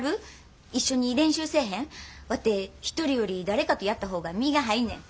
ワテ一人より誰かとやった方が身が入んねん。